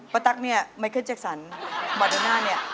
ประตักเนี่ยไม่เคยเจ็คสรรบอดโดน่าเนี่ย